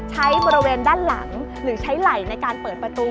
ใช้บริเวณด้านหลังหรือใช้ไหล่ในการเปิดประตู